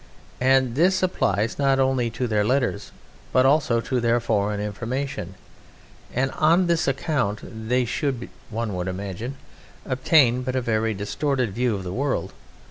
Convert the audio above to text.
And this applies not only to their letters but also to their foreign information, and on this account they should (one would imagine) obtain but a very distorted view of the world.